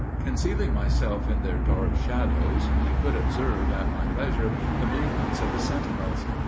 Concealing myself in their dark shadow, I could observe at my leisure the movements of the sentinels.